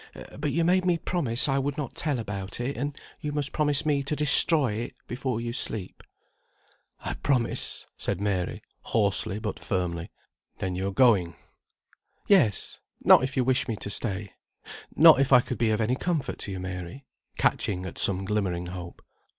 But you made me promise I would not tell about it, and you must promise me to destroy it before you sleep." "I promise," said Mary, hoarsely, but firmly. "Then you are going?" "Yes. Not if you wish me to stay. Not if I could be of any comfort to you, Mary;" catching at some glimmering hope.